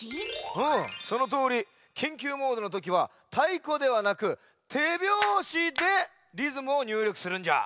うんそのとおりきんきゅうモードのときはたいこではなくてびょうしでリズムをにゅうりょくするんじゃ。